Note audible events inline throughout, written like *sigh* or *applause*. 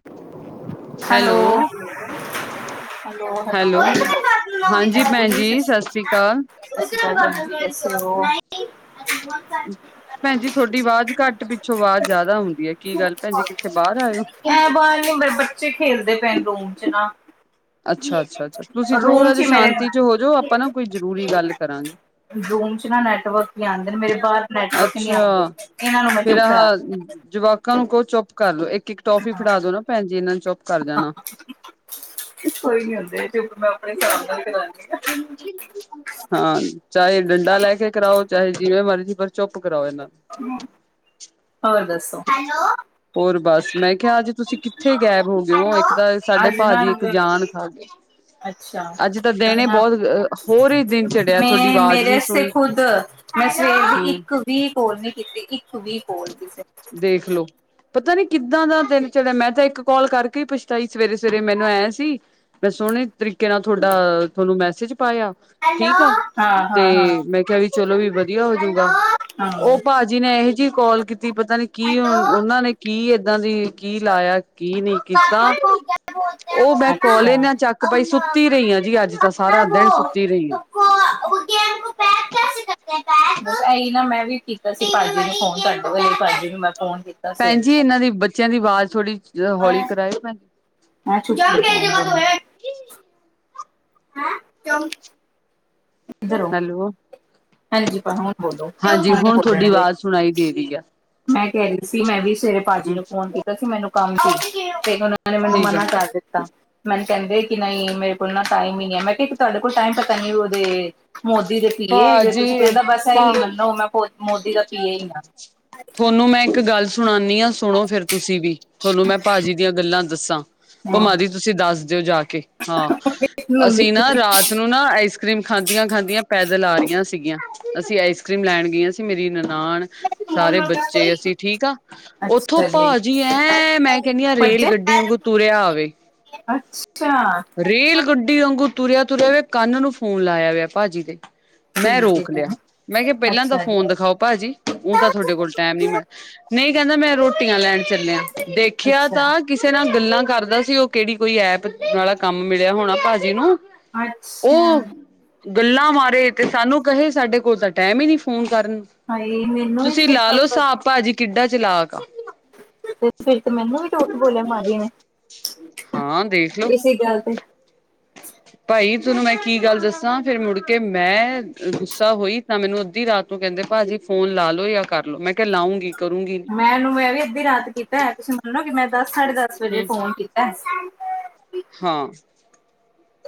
Hello hello, hello hello hello hello ਹਾਂਜੀ ਹਾਂਜੀ ਭੈਣ ਸਤਿ ਜੀ ਸਤਿ ਅਕਾਲ। ਸ੍ਰੀ ਅਕਾਲ। *unintelligible* ਭੈਣਜੀ ਤੁਹਾਡੀ ਆਵਾਜ਼ ਘੱਟ ਪਿੱਛੋਂ ਆਵਾਜ਼ ਜਾਦਾ ਆਉਂਦੀ ਏ ਕੀ ਗੱਲ ਭੈਣਜੀ ਕਿੱਥੇ ਬਾਹਰ ਆਇਓ ਮੈਂ ਬਾਹਰ ਨੀ ਮੇਰੇ ਬੱਚੇ ਖੇਲਦੇ ਪੈਣ ਰੂਮ ਚ ਨਾ ਅੱਛਾ-ਅੱਛਾ-ਅੱਛਾ ਤੁਸੀਂ ਰੂਮ ਥੋੜਾ ਚ ਜਿਹਾ ਹੀ ਮੇਰੇ ਸ਼ਾਂਤੀ ਚ ਹੋ ਜਾੋ ਆਪਾਂ ਨਾ ਕੋਈ ਜ਼ਰੂਰੀ ਗੱਲ ਕਰਾਂਗੇ ਰੂਮ ਚ ਨਾ ਨੈਟਵਰਕ ਨ ਆਉਂਦੇ ਮੇਰੇ ਬਾਹਰ ਨੈਟਵਰਕ ਨੀ ਅੱਛਾ ਆਉਂਦੇ ਇਹਨਾਂ ਨੂੰ ਮੈਂ ਫੇਰ ਚੁਪ ਆਹ ਕਰਾ ਜਵਾਕਾਂ ਨੂੰ ਕੋ ਚੁੱਪ ਕਰ ਲੋ ਇੱਕ ਇੱਕ ਟੋਫੀ ਹਾਂ ਫੜਾ ਦੋ ਨਾ ਭੈਣ ਜੀ ਇਹਨਾਂ ਨੂੰ ਚੁੱਪ ਕਰ ਜਾਣਾ ਕੋਈ ਨੀ ਹੁੰਦੇ ਜੇ ਮੈਂ ਆਪਣੇ ਹਿਸਾਬ ਨਾਲ ਲਦੀ ਹਾਂ ਹਾਂ ਚਾਹੇ ਡੰਡਾ ਲੈ ਕੇ ਕਰਾਓ ਚਾਹੇ ਜਿਵੇਂ ਮਰਜੀ ਚੁੱਪ ਕਰਾਓ ਇਹਨਾਂ ਆ। ਹੋਰ ਦੱਸੋ ਹੋਰ ਬਸ ਮੈਂ ਕਿਹਾ ਅੱਜੇ ਤੁਸੀਂ ਕਿੱਥੇ ਗੈਬ ਹੋ ਗਏ ਹੋ ਇੱਕ ਤਾਂ ਸਾਡੇ ਭਾਜੀ ਇੱਕ ਜਾਨ ਖਾ ਗਏ ਅੱਛਾ ਅੱਜ ਤਾਂ ਦਿਨ ਬਹੁਤ ਹੋਰ ਹੀ ਦਿਨ ਚੜਿਆ ਤੁਹਾਡੀ ਮੈਂ ਆਵਾਜ਼ ਮੇਰੇ ਨਹੀਂ ਸੁਣੀ ਖੁਦ ਮੈਂ ਸਵੇਰ ਦੀ ਹੂੰ ਇੱਕ ਵੀ ਕੋਲ ਨੀ ਕੀਤੀ ਇੱਕ ਵੀ ਕੋਲ ਸੀ ਦੇਖਲੋ ਪਤਾ ਨੀ ਕਿੱਦਾਂ ਦਾ ਦਿਨ ਚੜੇਆ ਮੈਂ ਤਾਂ ਇੱਕ ਕੋਲ ਕਰਕੇ ਈ ਪਛਤਾਈ ਸੀ ਸਵੇਰੇ-ਸਵੇਰੇ ਮੈਨੂੰ ਐਂ ਸੀ ਮੈਂ ਸੋਨੇ ਤਰੀਕੇ ਨਾਲ ਥੋਡਾ ਥੋਨੂੰ ਮੈਸੇਜ ਪਾਏਆ। ਹੈਲੋ ਠੀਕ ਆ, ਹਾਂ ਤੇ ਹਾਂ ਹਾਂ ਮੈਂ ਕਿਆ ਵੀ ਚਲੋ ਵੀ ਵਧੀਆ ਹੈਲੋ ਹੋਜੂਗਾ, ਹਾਂ ਓ ਭਾ ਜੀ ਨੇ ਏਹੋ ਜੀ ਕੋਲ ਕੀਤੀ ਪਤਾ ਨੀ ਕੀ ਔ ਹੈਲੋ ਓਨਾਂ ਨੇ ਕੀ ਏਦਾਂ ਦੀ ਕੀ ਲਾਇਆ ਕੀ ਨਈਂ। ਕੀਤਾ ਪਾਪਾ ਕੋ ਕਿਆ ਬੋਲਤੇ ਹੈ ਓ ਵੋ ਮੈਂ ਕੋਲ ਏ ਨਾ ਚੱਕ ਪਾਈ ਹੈ ਨਾ ਸੁੱਤੀ ਰਈ ਆਂ ਜੀ ਅੱਜ ਤਾਂ ਸਾਰਾ ਦਿਨ ਸੁੱਤੀ ਰਈ ਆਂ। ਆਈ ਨਾ ਮੈਂ ਵੀ ਠੀਕ ਐ ਅਸੀਂ ਭਾਜੀ ਨੂੰ ਫੋਨ ਕਰ ਦੋਗੇ ਭਾਜੀ ਨੂੰ ਮੈਂ ਫੋਨ ਕੀ ਭੈਨ ਜੀ ਏਨਾਂ ਦੀ ਬੱਚਿਆਂ ਦੀ ਵਾਜ਼ ਥੋੜੀ ਹੌਲੀ ਕਰਾਏਓ ਭੈਨ *inaudible* ਗੀ ਅਨ ਹੈਂ ਤੇ ਹੁਨ, ਏਦਰ ਆ ਹੈਲੋ ਹਾਂਜੀ ਆਪ ਹੁਨ ਬੋਲੋ ਹਾਂਜੀ ਮੈਂ ਨੀ ਹੁਣ ਬੋਲਨਾ ਤੁਹਾਡੀ ਹੈਗਾ। ਆਵਾਜ਼ ਸੁਣਾਈ ਦੇ ਰਹੀ ਆ ਮੈਂ ਕੈ ਰਈ ਸੀ ਮੈਂ ਵੀ ਸਵੇਰੇ ਭਾਜੀ ਹੂੰ ਨੂੰ ਫੋਨ ਕੀ ਵੈਸੇ ਮੈਨੂੰ ਕੰਮ ਸੀ ਤੇ ਓਨਾਂ ਨੇ ਮੈਨੂੰ ਠੀਕ ਆ ਮਨਾ ਕਰ ਦਿੱਤਾ। ਮੈਨੂੰ ਕੈਂਦੇ ਕੇ ਨਈਂ ਮੇਰੇ ਕੋਲ ਨਾ ਟਾਈਮ ਈ ਨਈਂ ਐ ਮੈਂ ਕਿਆ ਤੁਆਡੇ ਕੋਲ ਟਾਈਮ ਪਤਾ ਨੀ ਓਦੇ ਮੋਦੀ ਦੇ ਪੀਏ ਹੈਗੇ। ਕੀ ਏ ਪਾਂ ਮੰਮਾ ਕੋਲ ਮੋ ਥੋਨੂੰ ਮੈਂ ਇੱਕ ਗੱਲ ਸੁਨਾਨੀ ਆਂ ਸੁਨੋ ਫੇਰ ਤੁਸੀਂ ਵੀ ਥੋਨੂੰ ਮੈਂ ਭਾਜੀ ਦੀਆਂ ਗੱਲਾਂ ਦੱਸਾਂ, ਭਮਾਂ ਦੀ ਤੁਸੀਂ ਦੱਸ ਦਿਓ ਜਾ ਕੇ, ਹਾਂ। ਅਸੀਂ ਨਾ ਰਾਤ ਨੂੰ ਨਾ ਆਈਸ ਕਰੀਮ ਖਾਂਦੀਆਂ-ਖਾਂਦੀਆਂ ਪੈਦਲ ਆ ਰੀਆਂ ਸੀਗੀਆਂ, ਅਸੀਂ ਆਈਸ ਕਰ੍ਰੀਮ ਲੈਨ ਗਈਆਂ ਸੀ। ਮੇਰੀ ਨਨਾਨ ਸਾਰੇ ਬੱਚੇ ਅਸੀਂ ਠੀਕ ਆਂ, ਓਥੋਂ ਅੱਛਾ ਜੀ ਭਾਜੀ ਐਂ ਮੈਂ ਕੈਨੀ ਆਂ ਰੇਲ ਭੱਜੇ ਗੱਡੀ ਆਂਗੂ ਤੁਰਿਆ ਆਵੇ। ਅੱਛਾ। ਰੇਲ ਗੱਡੀ ਵਾਂਗੂ ਤੁਰਿਆ-ਤੁਰਿਆ ਆਵੇ ਕੰਨ ਨੂੰ ਫੋਨ ਲਾਇਆ ਵਾ ਭਾਜੀ ਦੇ। ਮੈਂ ਠੀਕ ਹੈ ਰੋਕ ਜੀ ਲਿਆ, ਮੈਂ ਕਿਆ ਪੈਲਾਂ ਤਾਂ ਅੱਛਾ ਜੀ ਖਾਓ ਭਾਜੀ ਊਂ ਤਾਂ ਥੋਡੇ ਕੋਲ ਟੈਮ ਨੀ ਮੈਂ, ਨਈਂ ਕੈਂਦਾ ਮੈਂ ਰੋਟੀਆਂ ਲੈਨ ਚੱਲੇਆਂ। ਦੇਖੇਆ ਅੱਛਾ ਤਾਂ ਕਿਸੇ ਨਾਲ ਗੱਲਾਂ ਕਰਦਾ ਸੀ ਓ ਕੇੜੀ ਕੋਈ ਐਪ ਆਲਾ ਕੰਮ ਮਿਲਿਆ ਹੋਨਾ ਭਾਜੀ ਨੂੰ। ਅੱਛਾ ਓ ਗੱਲਾਂ ਮਾਰੇ ਤੇ ਸਾਨੂੰ ਕਹੇ ਸਾਡੇ ਕੋਲ ਤਾਂ ਟੈਮ ਈ ਨੀ। ਫੋਨ ਕਰਨ ਨੂੰ, ਹਾਏ ਮੈਨੂੰ ਵੀ ਤੁਸੀਂ ਫਿਰ ਲਾ ਲੋ ਪਾਪਾ ਸਾਬ ਤੇ ਭਾਜੀ ਕਿੱਡਾ ਚਲਾਕ ਆ। ਫਿਰ ਤੇ ਮੈਨੂੰ ਵੀ ਲੋਕ ਬੋਲਨ ਲਾਗੇ ਨੇ, ਹਾਂ ਦੇਖਲੋ ਏਸੇ ਗੱਲ ਤੇ ਭਾਈ ਥੋਨੂੰ ਮੈਂ ਕੀ ਗੱਲ ਦੱਸਾਂ ਫਿਰ ਮੁੜ ਕੇ ਮੈਂ ਗੁੱਸਾ ਹੋਈ ਤਾਂ ਮੈਨੂੰ ਅੱਧੀ ਰਾਤ ਨੂੰ ਕੈਂਦੇ ਭਾਜੀ ਫੋਨ ਲਾ ਲੋ ਜਾਂ ਕਰਲੋ ਮੈਂ ਕਿਆ ਲਾਊਂਂਗੀ ਕਰੂੰਗੀ ਭੈਨ ਨੂੰ ਮੈਂ ਵੀ ਅੱਧੀ ਰਾਤ ਕੀਤਾ ਤੁਸੀਂ ਮੰਨੋ ਨਾ ਕੇ ਮੈਂ ਦਸ ਸਾਢੇ ਦਸ ਵਜੇ ਹੂੰ ਫੋਨ ਕੀਤਾ। ਹਾਂ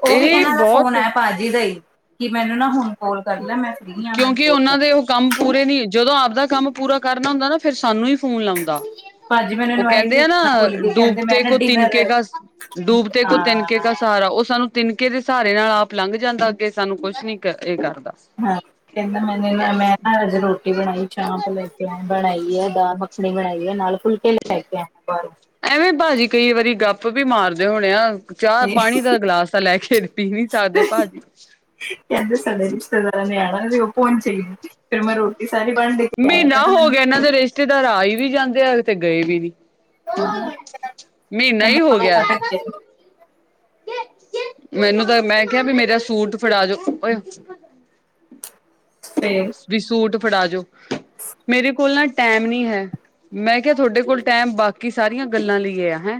ਓ ਵੀ ਇਹ ਏਨਾਂ ਦਾ ਫੋਨ ਬਹੁਤ ਆਏਆ ਭਾਜੀ ਦਾ ਈ। ਕੀ ਮੈਨੂੰ ਨਾ ਹੁਨ ਕੋਲ ਕਰ ਲੈ ਮੈਂ ਫਰੀ ਆਂ ਮੈਨੂੰ ਕਿਉਂਕਿ ਕੋਲ ਉਹਨਾਂ ਕਰ। ਦੇ ਉਹ ਕੰਮ ਪੂਰੇ ਨੀ ਜਦੋਂ ਆਪਦਾ ਕੰਮ ਪੂਰਾ ਕਰਨਾ ਹੁੰਦਾ ਨਾ ਫੇਰ ਸਾਨੂੰ ਈ ਫੋਨ ਲੌਂਦਾ। ਭਾਜੀ ਮੈਨੂੰ ਓ ਇਨਵਾਈਟ ਕੈਂਦੇ ਵੀ ਆ ਨਾ ਕਰਨਾ ਭੁੱਲ ਗਏ ਕਹਿੰਦੇ ਮੈਂ ਡੂਬਤੇ ਨਾ ਕੋ ਤਿਨਕੇ ਡਿਨਰ ਕਾ ਡੂਬ ਕੋ ਤਿਨਕੇ ਹਾਂ ਕਾ ਸਹਾਰਾ ਓ ਸਾਨੂੰ ਤਿਨਕੇ ਦੇ ਸਹਾਰੇ ਨਾਲ ਆਪ ਲੰਘ ਜਾਂਦਾ ਅੱਗੇ ਸਾਨੂੰ ਕੁਛ ਨੀ ਏ ਕਰਦਾ। ਹਾਂ ਕਹਿੰਦਾ ਮੈਨੇ ਨ ਮੈਂ ਅੱਜ ਰੋਟੀ ਬਣਾਈ ਚਾਂਪ ਲੈ ਕੇ ਆ ਬਣਾਈ ਆ ਦਾਲ ਮਖ ਮੱਖਨੀ ਬਣਾਈ ਏ ਨਾਲੇ ਫੁਲਕੇ ਲੈ ਕੇ ਆਏ ਬਾਹਰੋਂ। ਐਵੇਂ ਭਾਜੀ ਕਈ ਵਾਰੀ ਗੱਪ ਵੀ ਮਾਰਦੇ ਹੋਣੇ ਆ। ਚਾਹ ਤੇ ਪਾਣੀ ਦਾ ਗਲਾਸ ਤਾਂ ਲੈ ਕੇ ਪੀ ਨੀ ਸਾਕਦੇ ਭਾਜੀ। ਕਹਿੰਦੇ ਸਾਡੇ ਰਿਸ਼ਤੇਦਾਰਾਂ ਨੇ ਆਣਾ ਜੇ ਉਹ ਪਹੁੰਚੇ ਹੀ ਨਹੀਂ। ਫੇਰ ਮੈਂ ਰੋਟੀ ਸਾਰੀ ਬਣ ਦੀਤੀ ਆ ਮਹੀਨਾ ਕਹਿੰਦਾ ਹੋ ਮੈਨੂੰ ਗਿਆ ਇਹਨਾਂ ਦੇ ਰਿਸ਼ਤੇਦਾਰ ਆਈ ਵੀ ਜਾਂਦੇ ਆ ਕਿਤੇ ਗਏ ਵੀ ਨੀ। ਮੀਨਾ ਹੀ ਹੋ ਕਹਿੰਦਾ ਗਿਆ। ਅਟਕ ਗਿਆ ਮੈਨੂੰ ਤਾਂ ਮੈਂ ਕਿਹਾ ਵੀ ਮੇਰਾ ਸੂਟ ਫੜਾ ਜੋੋ। ਤੇ ਵੀ ਸੂਟ ਫੜਾ ਜੋ ਮੇਰੇ ਕੋਲ ਨਾ ਟੈਮ ਨੀ ਹੈ। ਮੈਂ ਕਿਹਾ ਥੋਡੇ ਕੋਲ ਟੈਮ ਬਾਕੀ ਸਾਰੀਆਂ ਗੱਲਾਂ ਲਈਏ ਹੈਂ।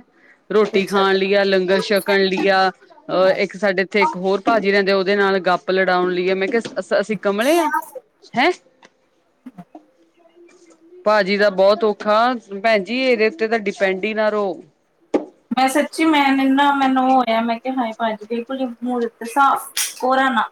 ਰੋਟੀ ਫਿਰ ਖਾਨ ਲਈ ਆ ਲੰਗਰ ਛਕਣ ਲਈ ਆ ਅਹ ਇੱਕ ਸਾਡੇ ਇੱਥੇ ਇੱਕ ਹੋਰ ਭਾਜੀ ਰਹਿੰਦੇ ਉਹਦੇ ਨਾਲ ਗੱਪ ਲੜਾਉਣ ਲਈ ਏ ਮੈਂ ਕਿਹਾ ਅ ਅਸੀਂ ਕਮਲੇ ਆ। ਹੈਂ। ਭਾਜੀ ਦਾ ਬੋਤ ਔਖਾ ਭੈਨ ਜੀ ਇਹਦੇ ਤੇ ਤਾਂ ਡਿਪੈਂਡ ਹੀ ਨਾ ਰੋ। ਮੈਂ ਸੱਚੀ ਮੈਂ ਨ ਨਾ ਮੈਨੂੰ ਹੋਇਆ ਮੈਂ ਕਿ ਹਾਏ ਭਾਜੀ ਬਿਲਕੁਲ ਈ ਮੂੰਹ ਤੇ ਸਾਫ ਕੋਰਾ ਨਾ।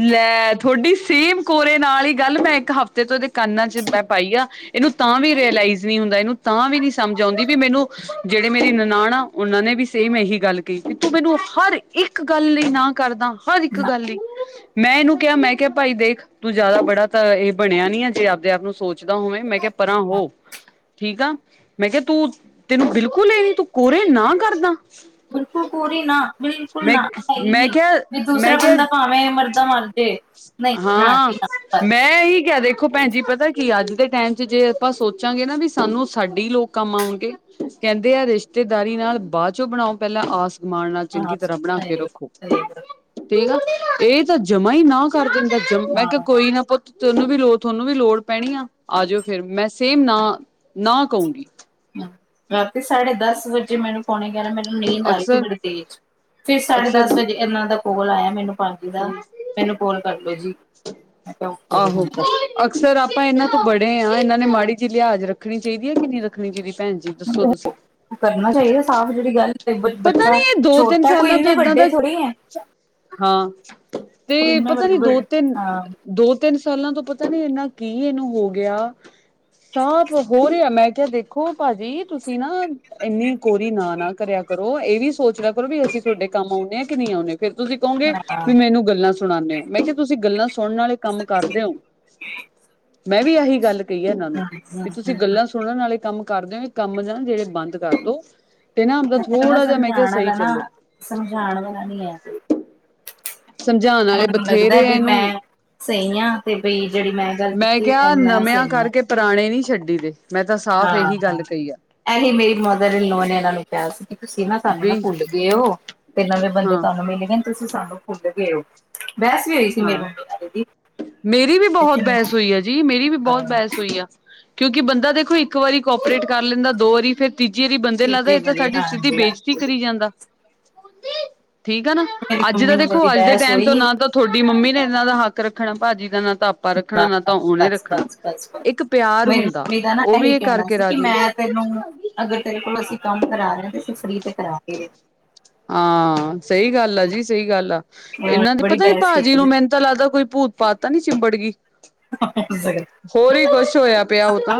ਲੈ ਤੁਹਾਡੀ ਸੇਮ ਕੋਰੇ ਨਾਲ ਹੀ ਗੱਲ ਮੈਂ ਇੱਕ ਹਫ਼ਤੇ ਤੋਂ ਉਹਦੇ ਕੰਨਾ ਚ ਮੈਂ ਪਾਈ ਆ। ਇਹਨੂੰ ਤਾਂ ਵੀ ਰੇਅਲਾਈਜ਼ ਨਹੀਂ ਹੁੰਦਾ ਇਹਨੂੰ ਤਾਂ ਵੀ ਨੀ ਸਮਜ ਆਉਂਦੀ ਵੀ ਮੈਨੂੰ ਜਿਹੜੇ ਮੇਰੀ ਨਨਾਣ ਆ ਉਹਨਾਂ ਨੇ ਵੀ ਸੇਮ ਇਹੀ ਗੱਲ ਕਹੀ ਤੂੰ ਮੈਨੂੰ ਹਰ ਇੱਕ ਗੱਲ ਲਈ ਨਾ ਕਾਰਦਾ ਹਰ ਇੱਕ ਨਾ ਗੱਲ ਲਈ। ਮੈਂ ਇਹਨੂੰ ਕਿਹਾ ਮੈਂ ਕਿਹਾ ਭਾਈ ਦੇਖ ਤੂੰ ਜੇਦਾ ਬੜਾ ਤਾਂ ਇਹ ਬਣਿਆ ਨੀ ਆ ਜੇ ਆਪਦੇ ਆਪ ਨੂੰ ਸੋਚ ਪੁੱਛਦਾ ਹੋਵੇ ਮੈਂ ਕਿਹਾ ਪਰਾਂ ਹੋ ਠੀਕ ਆ। ਮੈਂ ਕਿਹਾ ਤੂੰ ਤੈਨੂੰ ਬਿਲਕੁਲ ਇਹ ਨੀ ਤੂੰ ਕੋਰੇ ਨਾ ਕਾਰਦਾ। ਬਿਲਕੁਲ ਕੋਰੀ ਨਾ ਬਿਲਕੁਲ ਨਾ ਹੈ ਈ ਮੈਂ ਨਹੀਂ ਕਿਹਾ ਵੀ ਦੂਸਰਾ ਮੈਂ ਬੰਦਾ ਕਿਹਾ ਭਾਵੇਂ ਮਰਦਾ ਮਰ ਜੇ ਨਹੀਂ ਨਾ ਹਾਂ ਜੀ ਨਾ ਬਸ ਮੈਂ ਇਹੀ ਕਹਿ ਦੇ ਦੇਖੋ ਭੈਨ ਜੀ ਪਤਾ ਕੀ ਅੱਜ ਦੇ ਟੈਮ ਚ ਜੇ ਆਪਾਂ ਸੋਚਾਂਗੇ ਨਾ ਵੀ ਸਾਨੂੰ ਸਾਡੇ ਲੋਕ ਕੰਮ ਆਉਣਗੇ ਕਹਿੰਦੇ ਆ ਰਿਸ਼ਤੇਦਾਰੀ ਨਾਲ ਬਾਅ ਚੋਂ ਬਣਾਓ ਪਹਿਲਾਂ ਆਸ ਮਾਣ ਨਾਲ ਹਾਂ ਚੰਗੀ ਤਰ੍ਹਾਂ ਬਣਾ ਸਹੀ ਕੇ ਗੱਲ, ਰੱਖੋ। ਸਹੀ ਗੱਲ, ਕਹੇਗਾ ਇਹ ਤਾਂ ਜਮਾ ਹੀ ਨਾ ਕਰ ਦਿੰਦਾ ਜਮ ਮੈਂ ਕਿਹਾ ਹਾਂ ਕੋਈ ਨਾ ਪੁਤ ਤੋਨੂੰ ਵੀ ਲੋੜ ਤੁਹਾਨੂੰ ਵੀ ਲੋੜ ਪੈਣੀ ਆ ਆ ਜਾਓ ਫੇਰ ਮੈਂ ਸੇਮ ਨਾ ਨਾ ਕਉਗੀ। ਰਾਤੀ ਸਾਢੇ ਦਸ ਦਸ ਵਜੇ ਮੈਨੂੰ ਪਾਉਣੇ ਗਿਆਰਾ ਮੈਨੂੰ ਨੀਂਦ ਆਈ ਸੀ ਅਕਸਰ ਬੜੀ ਤੇਜ ਫੇਰ ਸਾਢੇ ਅਕਸਰ ਦਸ ਵਜੇ ਇਹਨਾਂ ਦਾ ਕੋਲ ਆਇਆ ਮੈਨੂੰ ਪਰ ਮੈਨੂੰ ਫੋਨ ਕਰਲੋ ਜੀ ਮੈਂ ਕਿਹਾ ੳਕੇ *unintelligible* ਫੇਰ ਹੁਣ। ਆਹੋ ਅਕਸਰ ਆਪਾਂ ਇਹਨਾਂ ਤੋਂ ਬੜੇ ਹਾਂ ਇਹਨਾਂ ਨੇ ਮਾੜੀ ਜਿਹੀ ਲਿਹਾਜ਼ ਰੱਖਣੀ ਚਾਹੀਦੀ ਹੈ ਕਿ ਨਹੀਂ ਰੱਖਣੀ ਚਾਹੀਦੀ ਭੈਨ ਜੀ ਦੱਸੋ ਤੁਸੀਂ। ਉਹ ਕਰਨਾ ਚਾਹੀਦਾ ਸਾਫ਼ ਜਿਹੜੀ ਗੱਲ। ਪਤਾ ਬੱਚਾ ਨਹੀਂ ਇਹ ਦੋ ਤਿੰਨ ਛੋਟਾ ਕੋਈ ਸਾਲਾਂ ਤੋਂ ਇੰਨੇ ਏਦਾਂ ਦਾ ਵੱਡੇ ਥੋੜ੍ਹੀ ਹੈ ਹਾਂ ਤੇ ਕੋਈ ਇੰਨੇ ਪਤਾ ਵੱਡੇ ਨੀ ਦੋ ਵੱਡੇ ਤਿੰਨ ਹਾਂ ਦੋ ਤਿੰਨ ਸਾਲਾਂ ਤੋਂ ਪਤਾ ਨੀ ਇੰਨਾ ਕੀ ਇਹਨੂੰ ਹੋ ਗਿਆ ਸਾਫ਼ ਹੋ ਰਿਹਾ ਮੈਂ ਕਿਹਾ ਦੇਖੋ ਭਾਜੀ ਤੁਸੀਂ ਨਾ ਏਨੀ ਕੋਰੀ ਨਾ ਨਾ ਕਰਿਆ ਕਰੋ ਇਹ ਵੀ ਸੋਚ ਲਿਆ ਕਰੋ ਵੀ ਅਸੀਂ ਤੁਹਾਡੇ ਕੰਮ ਆਉਂਨੇ ਆ ਕਿ ਨਹੀਂ ਆਉਂਨੇ। ਫੇਰ ਤੁਸੀਂ ਕਹੋਗੇ ਵੀ ਮੈਨੂੰ ਗੱਲਾਂ ਸੁਣਾਨੇ ੳ ਮੈਂ ਕਿਹਾ ਤੁਸੀਂ ਗੱਲਾਂ ਸੁਣਨ ਆਲੇ ਕੰਮ ਕਰਦੇ ੳ ਮੈਂ ਵੀ ਇਹੀ ਗੱਲ ਕਹੀਏ ਇਹਨਾਂ ਨੂੰ ਵੀ ਤੁਸੀਂ ਹਾਂ ਗੱਲਾਂ। ਸੁਣਨ ਨਾਲੇ ਕੰਮ ਕਰਦੇ ਨੇ ਕੰਮ ਨਾ ਜਿਹੜੇ ਬੰਦ ਕਰਦੋ ਤੇ ਨਾ। ਆਪਦਾ ਮੈਨੂੰ ਨਾ ਥੋੜਾ ਜਿਹਾ ਮੈਂ ਕਿਹਾ ਸਮਝਾਣ ਸਹੀ ਆਲਾ ਨਾ ਚੱਲੋ। ਸਮਝਾਣ ਵਾਲਾ ਨੀ ਹੈ। ਸਮਝਾਣ ਆਲੇ ਮੈਨੂੰ ਲੱਗਦਾ ਬਥੇਰੇ ਆ ਕਿ ਇਹਨੂੰ ਮੈਂ। ਸਹੀ ਆ ਤੇ ਬਈ ਜਿਹੜੀ ਮੈਂ ਗੱਲ ਕੀਤੀ ਉਹ ਕਿਹਾ ਮੈਂ ਨਵਿਆਂ ਸਹੀ ਆ। ਕਰਕੇ ਪੁਰਾਣੇ ਨਹੀਂ ਛੱਡੀ ਦੇ ਮੈਂ ਤਾਂ ਸਾਫ਼ ਇਹੀ ਹਾਂ। ਗੱਲ ਕਹੀ ਆ। ਇਹੀ ਮੇਰੀ ਮਦਰ ਲੋ ਨੇ ਇਹਨਾਂ ਨੂੰ ਕਿਹਾ ਸੀ। ਤੁਸੀਂ ਨਾ ਸਾਨੂੰ ਨਾ ਵੀ ਭੁੱਲ ਗਏ ਹੋ ਤੇ ਨਵੇਂ ਬੰਦੇ ਹਾਂ ਤੁਹਾਨੂੰ ਮਿਲ ਗਏ ਨੇ ਤੁਸੀਂ ਸਾਨੂੰ ਭੁੱਲ ਗਏ ਹੋ। ਬਹਿਸ ਵੀ ਹੋਈ ਹਾਂ ਸੀ। ਮੇਰੀ ਵੀ ਬਹੁਤ ਲੇਕਿਨ ਬਹਿਸ ਹੋਈ ਆ ਜੀ ਮੇਰੀ ਵੀ ਬਹੁਤ ਬਹਿਸ ਹੋਈ ਆ। ਕਿਉਂਕਿ ਬੰਦਾ ਦੇਖੋ ਇੱਕ ਵਾਰੀ ਕੋਪਰੇਟ ਕਰ ਲੈਂਦਾ ਦੋ ਵਾਰੀ ਫਿਰ। ਤੀਜੀੇ ਵਾਰੀ ਬੰਦੇ ਲੱਗਦਾ ਤੀਜੇ ਇਹ ਤਾਂ ਵਾਲੇ ਸਾਡੀ ਸਿਧੀ ਹਾਂਜੀ ਬੇਇਜ਼ਤੀ ਹਾਂਜੀ। ਕਰੀ ਜਾਂਦਾ। ਠੀਕ ਹੈ ਨਾ ਮੇਰੀ ਅੱਜ ਮੰਮੀ ਤਾਂ ਨਾਲ ਦੇਖੋ ਇਹਦੀ ਅੱਜ ਦੇ ਬਹਿਸ ਟਾਈਮ ਤੋਂ ਹੋਈ ਨਾ ਤਾਂ। ਤੁਹਾਡੀ ਮੰਮੀ ਨੇ ਇਹਨਾਂ ਦਾ ਹੱਕ ਰੱਖਣਾ ਭਾਜੀ ਦਾ ਨਾ ਤਾਂ। ਆਪਾ ਰੱਖਣਾ ਹਾਂ, ਨਾ ਤਾਂ ਉਹਨੇ ਬਸ ਰੱਖਣਾ ਬਸ ਬਸ ਬਸ ਇੱਕ ਪਿਆਰ ਮੇਰੀ ਹੁੰਦਾ ਮੰਮੀ ਦਾ ਨਾ ਉਹ ਵੀ ਇਹੀ ਇਹ ਕਹਿਣਾ ਕਰਕੇ ਸੀ ਕਿ ਰਾਜੀ ਨੀ। ਮੈਂ ਤੈਨੂੰ ਅਗਰ ਤੇਰੇ ਕੋਲ ਅਸੀਂ ਕੰਮ ਕਰਾ ਰਹੇਾਂ ਤੇ ਅਸੀਂ ਫਰੀ ਤੇ ਕਰਾ। ਕੇ ਦੇ ਹਾਂ ਸਹੀ ਗੱਲ ਆ ਜੀ ਸਹੀ ਗੱਲ ਆ ਇਹਨਾਂ ਦੀ ਬੜੀ ਪਤਾ ਨੀ ਬਹਿਸ ਭਾਜੀੀ ਨੂੰ ਕੀਤੀ ਮੈਨੂੰ। ਲੱਗਦਾ ਕੋਈ ਭੂਤ ਪਾਤ ਤਾਂ ਨੀ ਚਿੰਬੜ ਗਈ। *unintelligible* ਹੋਰ ਹੀ ਕੁਛ ਹੋਇਆ ਪਿਆ ਉਹ ਤਾਂ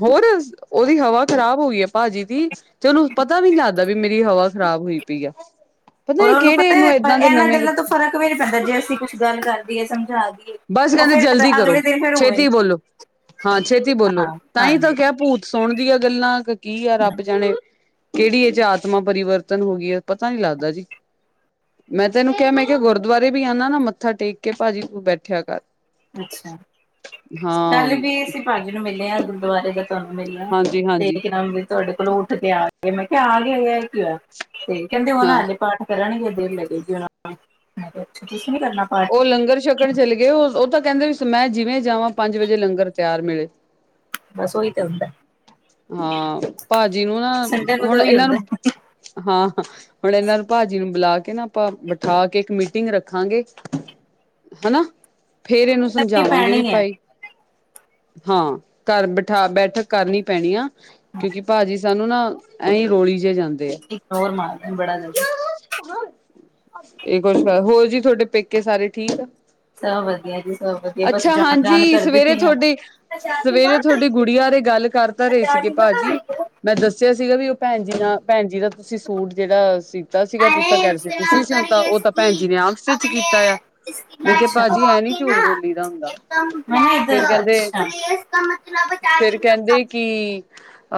ਹੋਰ ਉਹਦੀ ਹਵਾ ਖ਼ਰਾਬ ਹੋਈ। ਭਾਜੀ ਦੀ ਤੇ ਉਹਨੂੰ ਪਤਾ। *inaudible* ਮੇਰੀ ਹਵਾ ਖਰਾਬ ਹੋਈ ਪਈ ਆ ਪਤਾ ਔਰ ਨੀ ਉਹਨੂੰ ਕਿਹੜੇ ਨੂੰ ਏਦਾਂ ਦੇ ਇਹਨਾਂ ਨਵੇਂ। ਗੱਲਾਂ ਤੋਂ ਫ਼ਰਕ ਜੇ ਅਸੀਂ ਕੁਛ ਗੱਲ ਕਰਦੀਏ ਸਮਝਾ ਦੀਏ। ਬਸ ਉਹ ਕਹਿੰਦੇ ਫਿਰ ਜਲਦੀ ਕਰੋ ਅਗਲੇ ਦਿਨ ਫਿਰ ਹੋਵੇ ਛੇਤੀ ਬੋਲੋ ਹਾਂ ਛੇਤੀ ਬੋਲੋ ਹਾਂ ਤਾਂ ਹੀ ਤੇ ਹਾਂਜੀ ਕਿਆ ਭੂਤ। ਸੁਣਦੀਆਂ ਗੱਲਾਂ ਕੀ ਆ ਰੱਬ ਜਾਣੇ। ਕਿਹੜੀ ਇਹ ਚ ਆਤਮਾ ਪਰਿਵਰਤਨ ਹੋ ਗਈ ਹੈ ਪਤਾ ਨੀ ਲੱਗਦਾ ਜੀ। ਮੈਂ ਤੇ ਐਨੂੰ ਕਿਹਾ ਮੈਂ ਕਿਹਾ ਗੁਰਦੁਆਰੇ ਵੀ ਆਉਂਦਾ ਨਾ ਮੱਥਾ ਟੇਕ ਕੇ ਭਾਜੀ ਕੋਲ ਬੈਠਿਆ ਕਰ। ਅੱਛਾ ਹਾਂ ਕੱਲ ਵੀ ਅਸੀਂ ਭਾਜੀ ਨੂੰ ਮਿਲੇ ਹਾ ਗੁਰਦੁਆਰੇ ਦਾ। ਤੁਹਾਨੂੰ ਮਿਲਿਆ ਹਾਂਜੀ ਤੇ ਹਾਂਜੀ ਇਕ ਦਮ ਵੀ ਤੁਹਾਡੇ ਕੋਲੋਂ ਉੱਠਕੇ ਆ ਗਿਆ ਤੇ ਮੈਂ ਕਿਆ ਆ ਗਿਆ ਤੇ ਫ਼ਿਰ ਕੀ ਹੋਆ। ਤੇ ਕਹਿੰਦੇ ਉਹ ਨਾ ਹਾਂ ਐੰਜ ਪਾਠ ਕਰਨਗੇ ਦੇਰ ਲੱਗੇਗੀ ਮੈਂ ਕਿਆ ਅਛਾ ਤੁਸੀਂ ਨੀ ਕਰਨਾ ਪਾਠ। ਉਹ ਲੰਗਰ ਛਕਣ ਚਲੇ ਗਏ ਉਹ ਉਹ ਤਾਂ ਕਹਿੰਦੇ ਮੈਂ ਜਿਵੇਂ ਜਾਵਾਂ ਪੰਜ ਵਜੇ ਲੰਗਰ ਤਿਆਰ ਮਿਲੇ। ਬਸ ਉਹੀ ਤੇ ਹੁੰਦਾ। ਹਾਂ ਭਾਜੀ ਨੂੰ ਨਾ ਸੰਡੇ ਤੇ ਹੁਣ ਉਹੀ ਇਹਨਾਂ ਨੂੰ ਹੁੰਦਾ ਹਾਂ। ਹੁਣ ਇਹਨਾਂ ਨੂੰ ਭਾਜੀ ਨੂੰ ਬੁਲਾ ਕੇ ਨਾ ਆਪਾਂ ਬਿਠਾ ਕੇ ਇੱਕ ਮੀਟਿੰਗ ਰੱਖਾਂਗੇ। ਹਨਾ ਫੇਰ ਇਹਨੂੰ ਕਰਨੀ ਸਮਝਾਵਾਂਗੇ ਵੀ ਪੈਣੀ ਹੈ ਭਾਈ। ਹਾਂ ਘਰ ਬਿਠਾ ਬੈਠਕ ਕਰਨੀ ਪੈਣੀ ਆ ਕਿਉਂਕਿ ਭਾਜੀ ਤੁਹਾਨੂੰ ਨਾ ਇਵੀ ਰੋਲੀ ਜਿਹੇ ਜਾਂਦੇ ਐ। ਇੱਕ ਹੋਰ ਮਾਰਦਾ ਬੜਾ ਜ਼ ਹੋਰ ਜੀ ਤੁਹਾਡੇ ਪੇਕੇ ਸਾਰੇ ਠੀਕ ਆ। ਸਭ ਵਧੀਆ ਜੀ। ਸਭ ਵਧੀਆ ਬਸ ਅੱਛਾ ਜਾਣ ਜਾਣ ਹਾਂਜੀ ਕਰਦੇ ਸਵੇਰੇ ਪਏ ਆ ਤੁਹਾਡੇ ਸਵੇਰੇ ਤੁਹਾਡੀ ਗੁੜੀਆਂ ਬਾਰੇ ਗੱਲ ਕਰ ਤਾਂ ਰਹੇ ਸੀਗੇ ਭਾਜੀ। ਮੈਂ ਦੱਸਿਆ ਸੀਗਾ ਵੀ ਭੈਣ ਜੀ ਨਾਲ ਭੈਣ ਜੀ ਦਾ। ਤੁਸੀਂ ਸੂਟ ਜਿਹੜਾ ਸੀਤਾ ਸੀਗਾ ਤੁਸੀਂ ਤਾਂ ਕਹਿ ਰਹੇ ਸੀ ਤੁਸੀਂ ਸੀਿਉਂਤਾ ਉਹ ਤਾਂ ਭੈਣ ਜੀ ਨੇ ਆਮ ਸਟਿਚ ਕੀਤਾ ਆ। ਇਸ ਮੈ ਮੈਂ ਕਿਹਾ ਸ਼ੁਰੂ ਭਾਜੀ ਹੋ ਐ ਨੀ ਗਈ? ਝੂਠ ਬੋਲੀ ਦਾ ਹੁੰਦਾ ਫੇਰ ਕਹਿੰਦੇ ਫੇਰ ਕਹਿੰਦੇ *unintelligible* ਕਿ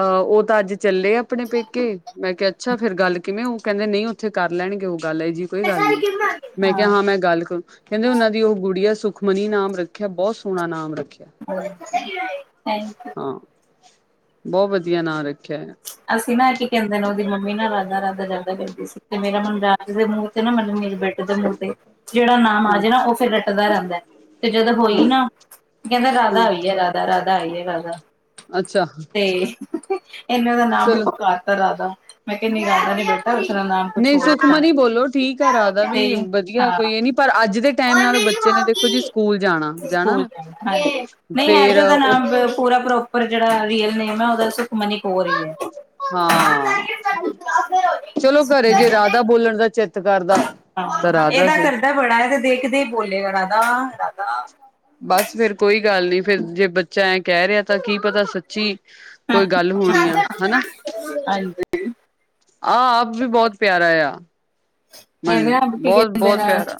ਅਹ ਉਹ ਤਾਂ ਅੱਜ ਚੱਲੇ ਆਪਣੇ ਪੇਕੇ ਮੈਂ ਕਿਹਾ। ਅੱਛਾ ਫੇਰ ਗੱਲ ਕਿਵੇਂ ਉਹ ਕਹਿੰਦੇ ਨਹੀਂ ਉੱਥੇ ਕਰ ਲੈਣਗੇ ਉਹ ਗੱਲ ਹੈ ਜੀ। ਕੋਈ ਗੱਲ ਨੀ ਮੈਂ ਕਿਹਾ ਹਾਂ ਮੈਂ ਗੱਲ ਕਰੂੰ ਕਹਿੰਦੇ ਉਹਨਾਂ ਦੀ ਉਹ ਗੁੜੀ ਆ ਸੁਖ। ਸੁਖਮਨੀ ਨਾਮ ਰੱਖਿਆ। ਬਹੁਤ ਸੋਹਣਾ ਨਾਮ ਰੱਖਿ *inaudible* ਥੈਂਕ ਯੂ! ਹਾਂ ਬਹੁਤ ਵਧੀਆ ਨਾਂ ਰੱਖਿਆ ਏ। ਅਸੀਂ ਨਾ, ਕੀ ਕਹਿੰਦੇ ਨੇਂ? ਉਹਦੀ ਮੰਮੀ ਨਾ ਰਾਧਾ-ਰਾਧਾ ਜਿਆਦਾ ਕਰਦੀ ਸੀ। ਤੇ ਮੇਰਾ ਮੁੰਡਾ ਓਸਦੇ ਮੂੰਹ ਤੇ ਨਾ, ਮਤਲਬ ਮੇਰੇ ਬੇਟੇ ਦੇ ਮੂੰਹ ਤੇ, ਜਿਹੜਾ ਨਾਮ ਆ ਹਾਂ ਜਾਏ ਨਾ। ਉਹ ਫਿਰ ਰੱਟਦਾ ਰਹਿੰਦਾ ਏ। ਤੇ ਜਦੋਂ ਹੋਈ ਹਾਂ ਨਾ। ਕਹਿੰਦਾ ਰਾਧਾ ਹਾਂ ਆਈ ਹੈ। ਰਾਧਾ-ਰਾਧਾ ਆਈ ਹੈ। ਰਾਧਾ! ਅੱਛਾ! ਹੁਹ ਤੇ, ਹੀ-ਹੀ-ਹੀ! ਇਹਨੇਂ ਉਹਦਾ ਨਾਮ ਵੀ ਪਕਾਤਾ ਰਾਧਾ। ਮੈਂ ਕਿਹਾ ਨਹੀਂ ਰਾਧਾ ਨੀ ਬੇਟਾ ਉਸਦਾ ਨਾਮ ਕੁਛ ਨਹੀਂ ਹੋਰ ਰੱਖਣਾ ਸੁਖਮਨੀ ਬੋਲੋ ਠੀਕ ਆ। ਰਾਧਾ ਵੀ ਤੇ ਵਧੀਆ। ਹਾਂ ਕੋਈ ਇਹ ਨੀ ਪਰ ਅੱਜ ਦੇ ਟਾਈਮ ਔਰ ਨਾਲ ਮੇਰੀ ਬੱਚੇ ਨੇ, ਦੇਖੋ ਜੀ ਹੋਗੀ ਸਕੂਲ ਜਾਣਾ। ਜਾਣਾ ਸਕੂਲ ਨਾ? ਹਾਂਜੀ ਨਹੀਂ! ਐਂ ਤੇ ਫੇਰ ਉਹਦਾ ਉਹ ਨਾਮ ਪੂਰਾ ਪ੍ਰੋਪਰ। ਜਿਹੜਾ ਰੀਅਲ ਨੇਮ ਹੈ, ਉਹ ਤਾ ਸੁਖਮਨੀ ਕੋਰ ਹੀ ਹੈ। ਹਾਂ! ਚਲੋ ਘਰੇ ਜੇ ਰਾਧਾ ਬੋਲਣ ਤਾਂ ਚ ਤੇ ਘਰ ਦਾ ਤਾ ਰਾਧਾ ਸਹੀ। ਦਰ ਵੜਿਆ, ਤੇ ਦੇਖਦੇ ਹੀ ਬੋਲੇਗਾ ਰਾਧਾ-ਰਾਧਾ। ਬਸ ਫਿਰ ਕੋਈ ਗੱਲ ਨੀ। ਫਿਰ ਜੇ ਬੱਚਾ ਐਂ ਕਹਿ ਰਿਹਾ। ਤਾ ਕੀ ਪਤਾ ਸੱਚੀ ਕੋਈ ਗੱਲ ਹਾਂਜੀ ਹੋਉਣੀ ਆ। ਹੈਨਾ? ਆਹ ਆਪ ਵੀ ਬਹੁਤ ਪਿਆਰਾ ਆ। ਐਂਵੇਂ, ਮਨ ਆਪ ਕੀ ਬਹੁਤ ਕਹਿੰਦੇ ਬਹੁਤ ਨੇਂ? ਪਿਆਰਾ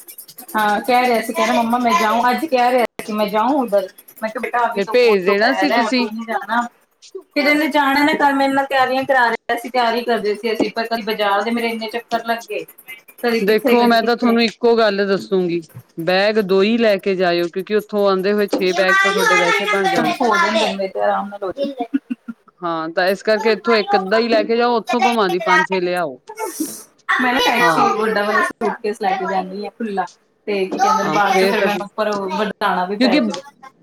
ਹਾਂ ਕਹਿ ਰਿਹਾ ਸੀ। ਕਹਿ ਰਿਹਾ ਸੀ ਮੰਮਾ ਮੈਂ ਜਾਊਂ। ਅੱਜ ਕਹਿ ਰਿਹਾ ਸੀ, ਮੈਂ ਜਾਊਂ ਉਧਰ। ਮੈਂ ਕਿਹਾ ਬੇਟਾ ਅਭੀ ਫਿਰ ਤੋ ਬਹੁਤ ਭੇਜ ਦੇਣਾ ਸੀ ਦੁਪਹਿਰ ਹੈ। ਤੁਸੀਂ ਅਭੀ ਨੀ ਜਾਨਾ। ਫਿਰ ਇਹਨੇ ਜਾਣਾ ਏ ਨਾ ਕੱਲ ਮੇਰੇ ਨਾਲ। ਤਿਆਰੀਆਂ ਕਰਾ ਰਿਹਾ ਸੀ। ਤਿਆਰੀ ਕਰਦੇ ਸੀ ਅਸੀ। ਪਰ ਕੱਲ ਬਾਜਾਰ ਦੇ ਮੇਰੇ ਇੰਨੇ ਚੱਕਰ ਲੱਗੇ। ਕਦੀ ਕਿੱਥੇ ਦੇਖੋ ਕਦੀ ਮੈਂ ਤਾਂ ਕਿੱਥੇ ਹੋ ਥੋਨੂੰ ਈ ਕੋ ਗੱਲ ਦੱਸੂੰਗੀ, ਬੈਗ ਦੋ ਹੀ ਲੈ ਕੇ ਜਾਇਓ। ਕਿਉਂਕਿ ਉੱਥੋਂ ਆਉਂਦੇ ਹੋਏ *inaudible* ਛੇ ਹਾਂ! ਬੈਗ ਤਾਂ ਤੁਹਾਡੇ ਵੈਸੇ ਬਣ ਹੌਲੀ ਜਾਣੇ। ਬੋਲ ਮੈਂ ਤੇ ਆਰਾਮ ਨਾਲ *inaudible* ਹਾਂ! ਤਾਂ ਇਸ ਕਰਕੇ ਇੱਥੋਂ ਇੱਕ ਅੱਧਾ ਹੀ ਲੈ ਕੇ ਜਾਓ। ਉੱਥੋਂ ਭਾਵਾਂ ਦੀ ਪੰਜ ਛੇ ਲਿਆਓ। *inaudible* ਹਾਂ! *inaudible* ਤੇ ਕੀ ਕਹਿੰਦੇ ਨੇਂ ਹਾਂ ਬਾਅਦ ਚ ਫੇਰ ਫਿਰ ਤਾਂ ਮੈਨੂੰ ਪਰ *inaudible* ਕਿਉਂਕਿ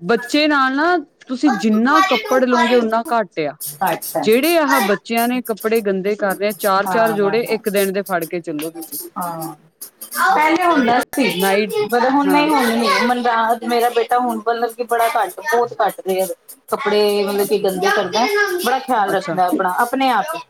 ਬੱਚੇ ਨਾਲ ਨਾ! ਤੁਸੀ ਜਿੰਨਾ ਕੱਪੜ ਲਓਂਗੇ, ਉਓਨਾਂ ਘੱਟ ਆ। ਅੱਛਾ ਜਿਹੜੇ ਆਹ ਬੱਚਿਆਂ ਨੇਂ ਕੱਪੜੇ ਗੰਦੇ ਕਰ ਰਹੇ ਹੈਂ। ਚਾਰ-ਚਾਰ ਹਾਂ ਹਾਂ ਜੋੜੇ ਹਾਂ ਇੱਕ ਦਿੰਨ ਦੇ ਫੜਕੇ ਚੱਲੋ ਤੁਸੀ। ਹਾਂ! ਪਹਿਲੇ ਹੁੰਦਾ ਸੀ। ਨਾਈਟ *unintelligible* ਹੁਨ ਹਾਂ ਨਹੀਂ ਹੋਣੀ ਸੀ। ਮੈਨੂੰ ਬਾਅਦ ਮੇਰਾ ਬੇਟਾ ਹੁਨ ਮਤਲਬ ਕਿ ਬੜਾ ਘੱਟ, ਬਹੁਤ ਘੱਟ *unintelligible* ਕੱਪੜੇ ਮਤਲਬ ਕੀ ਗੰਦੇ ਕਰਦਾ। ਬੜਾ ਖਿਆਲ ਅੱਛਾ-ਅੱਛਾ। ਰੱਖਦਾ ਆਪਣਾ, ਆਪਨੇ ਆਪ ਹੀ।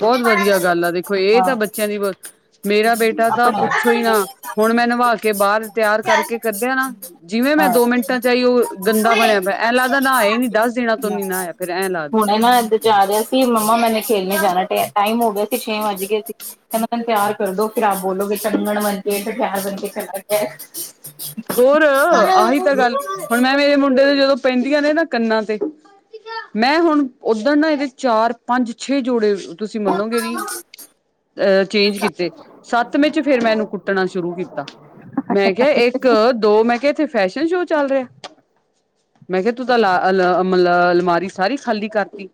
ਬਹੁਤ ਵਧੀਆ ਗੱਲ ਆ। ਦੇਖੋ, ਇਹ ਤਾਂ ਹਾਂ ਬੱਚਿਆਂ ਦੀ ਬਹੁਤ, ਮੇਰਾ ਬੇਟਾ ਤਾਂ ਆਪਣੇ ਪੁੱਛੋ ਹੀ ਨਾ। ਹੁਣ ਮੈਂ ਨਿਹਵਾ ਕੇ, ਬਾਹਰ ਤਿਆਰ ਕਰਕੇ ਕੱਢਿਆ ਨਾਂ। ਜਿਵੇਂ ਮੈਂ ਦੋ ਮਿੰਟਾਂ ਚ ਆਈ। ਉਹ ਗੰਦਾ ਬਣਿਆ ਐਂ ਲੱਗਦਾ ਨਹਾਇਆ ਹੀ ਨੀ। ਦੱਸ ਦਿਣਾ ਤੋ ਨੀ ਨਹਾਇਆ, ਫਿਰ ਐਂ ਲੱਗਦਾ। ਮੈਂ ਨਾ ਉੱਧਰ ਜਾ ਰਿਹਾ ਸੀ। ਮੰਮਾ ਮੈਨੇ ਖੇਲਨੇ ਜਾਣਾ ਟਿਆ, ਟਾਈਮ ਹੋ ਗਿਆ ਸੀ। ਛੇ ਵੱਜ ਗਏ ਸੀ। *unintelligible* *unintelligible* ਤਿਆਰ ਕਰ ਦੋ। ਫਿਰ ਆਪ ਬੋਲੋਗੇ ਚੰਗਣ ਮਨਕੇ ਫਿਰ *unintelligible* ਬੰਧ ਕੇ ਚਲਾ ਗਿਆ। ਹੋਰ, ਅੱਛਾ ਆਹੀ ਤਾ ਗੱਲ। ਹੁਣ ਮੈਂ! ਮੇਰੇ ਮੁੰਡੇ ਦੇ ਜਦੋ ਪੈਂਦੀਆਂ ਨੇਂ ਨਾ, ਕੰਨਾਂ ਤੇ। ਮੈਂ ਹੁਣ, ਉੱਧਰ ਨਾ ਇਹਦੇ ਚਾਰ, ਪੰਜ, ਛੇ ਜੋੜੇ, ਤੁਸੀ ਮੰਨੋਗੇ ਨਹੀਂ। ਅਹ ਚੇਂਜ ਕੀਤੇ। ਸੱਤਵੇਂ ਚ ਫੇਰ ਮੈਂ ਏਨੂੰ ਕੁੱਟਣਾ ਸ਼ੁਰੂ ਕੀਤਾ। ਮੈਂ ਕੈਆ ਇੱਕ, ਦੋ, ਮੈਂ ਕੈਆ, ਏਥੇ ਫੈਸ਼ਨ ਸ਼ੋ ਚੱਲ ਰੈਆ। ਮੈਂ ਕਿਆ, ਤੂ ਤਾ ਲਾ, ਅਲ, ਅਮਲਾ, ਅਲਮਾਰੀ ਸਾਰੀ ਖਾਲੀ ਕਰਤੀ।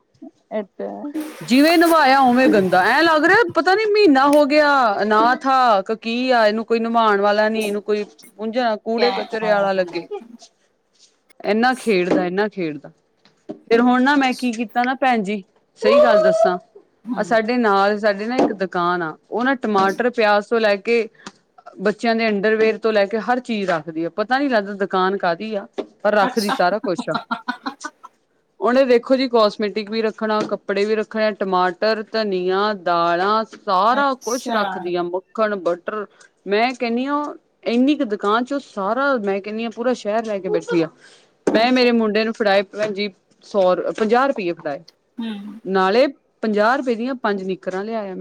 ਏ ਤੇ ਹੈ। ਜਿਵੇਂ ਨਵਾਏਆ, ੳੰਵੇ ਗੰਦਾ। ਐਂ ਲੱਗ ਰੇਆ, ਪਤਾ ਨੀ ਮੀਨਾ ਹੋ ਗਿਆ, ਅਨਾਥ ਆ ਕੀ ਆ? ਏਨੂੰ ਕੋਈ ਨੁਵਾਨ ਵਾਲਾ ਨੀ। ਏਨੂੰ ਕੋਈ ਪੂੰਝਾ, ਕੂੜੇ ਕਚਰੇ ਵਾਲਾ ਲੱਗੇ। ਏਨਾ ਖੇਡਦਾ, ਏਨਾ ਖੇਡਦਾ। ਫੇਰ ਹੁਨ ਨਾ, ਮੈਂ ਕੀ ਕੀਤਾ ਨਾ ਭੈਨ ਜੀ, ਸਹੀ ਗੱਲ ਦੱਸਾਂ। ਅਹ ਸਾਡੇ ਨਾਲ, ਸਾਡੇ ਨਾ ਇੱਕ ਦੁਕਾਨ ਆ ੳ ਨਾ ਟਮਾਟਰ ਪਿਆਜ ਤੋ ਲੈ ਕੇ, ਬੱਚੇਆਂ ਦੇ ਅੰਡਰਵਿਅਰ ਤੋ ਲੈ ਕੇ ਹਰ ਚੀਜ ਰੱਖਦੀ ਆ। ਪਤਾ ਨੀ ਲੱਗਦਾ ਦੁਕਾਨ ਕਾਦੀ ਆ? ਪਰ ਰੱਖਦੀ ਅੱਛਾ ਸਾਰਾ ਕੁਛ ਆ। *inaudible* ੳਨੇ ਦੇਖੋ ਜੀ ਕੋਸਮੈਟਿਕ ਵੀ ਰੱਖਨਾ, ਕੱਪੜੇ ਵੀ ਰੱਖਨੇ ਆ, ਟਮਾਟਰ, ਧਨੀਆ, ਦਾਲਾਂ ਸਾਰਾ ਕੋਛ ਅੱਛਾ ਰੱਖਦੀ ਆ। ਮੱਖਨ, ਬਟਰ, ਮੈਂ ਕੈਨੀ ਆ ਏਨੀ ਕੁ ਦੁਕਾਨ ਚ ੳ ਸਾਰਾ, ਮੈਂ ਕੈਨੀ ਆ ਪੂਰਾ ਸੈ਼ਰ ਲੈ ਕੇ ਬੈਠੀ ਆ। ਮੈਂ ਅੱਛਾ ਮੇਰੇ ਮੁੰਡੇ ਨੂੰ ਫੜਾਏ ਭੈਣ ਜੀ ਸੌ, ਪੰਜਾਹ ਰੁਪਏ ਫੜਾਏ ਹੂੰ ਨਾਲੇ ਪੰਜਾਹ ਰੁਪਏ ਦੀਆਂ ਪੰਜ ਨਿੱਕਰਾਂ ਲੈਆਯਾ, ਮੈਂ